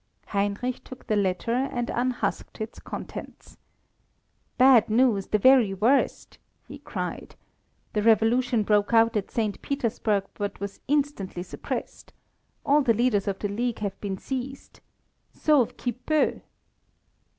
Heinrich took the letter and unhusked its contents. "Bad news the very worst," he cried; "the Revolution broke out at St. Petersburg, but was instantly suppressed. All the leaders of the league have been seized. _Sauve qui peut!